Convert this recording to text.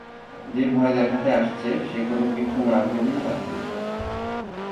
যে ভয় দেখাতে আসছে, সে কোনো কিছুনা-ভেবেই হাত দেবে।